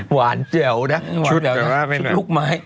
หวานแจ๋วนะชุดลูกไม้ใส่เกือร์เกือร์